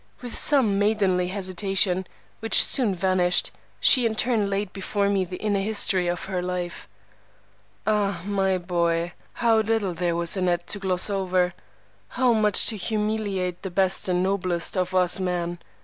With some maidenly hesitation, which soon vanished, she in turn laid before me the inner history of her life. Ah, my boy, how little there was in it to gloss over! how much to humiliate the best and noblest of us men!